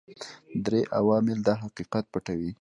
درې عوامل دا حقیقت پټوي.